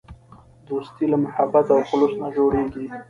دوستي له محبت او خلوص نه جوړیږي.